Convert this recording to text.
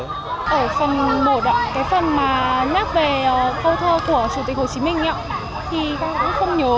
ở phần mộ cái phần mà nhắc về câu thơ của chủ tịch hồ chí minh thì con cũng không nhớ